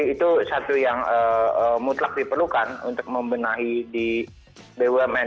itu satu yang mutlak diperlukan untuk membenahi di bumn